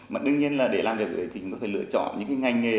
mà đương nhiên là để làm được đấy thì chúng tôi phải lựa chọn những ngành nghề